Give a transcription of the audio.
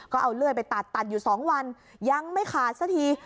ก็เอาเลื่อยไปตัดตัดอยู่๒วันยังไม่ขาดสักที